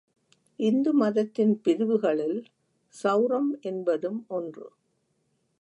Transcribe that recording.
இந்து மதத்தின் பிரிவுகளுள் செளரம் என்பதும் ஒன்று.